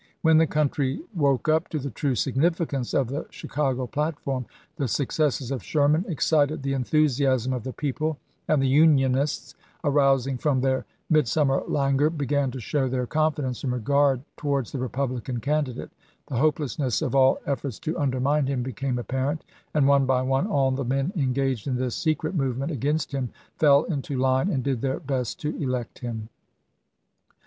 When the country woke up to the true significance of the Chicago platform, the successes of Sherman excited the enthusiasm of the people, and the Unionists, arousing from their mid summer languor, began to show their confidence and regard towards the Republican candidate, the hopelessness of all efforts to undermine him became apparent, and, one by one, all the men engaged in this secret movement against him fell into line and did their best to elect him.